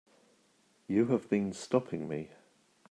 You have been stopping me.